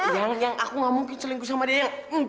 yang yang aku gak mungkin selingkuh sama dia yang